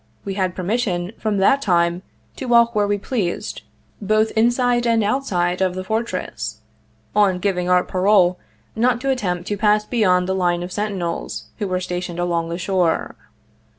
We had permission from that time to walk where we pleased, both inside and 85 outside of the fortress, on giving our parole not to attempt to pass beyond the line of sentinels who were stationed along the shore.